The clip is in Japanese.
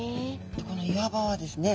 でこの岩場はですね